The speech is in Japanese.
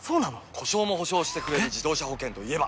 故障も補償してくれる自動車保険といえば？